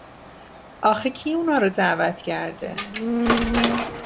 آخه کی اونارو دعوت کرده!